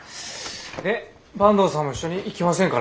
で坂東さんも一緒に行きませんか？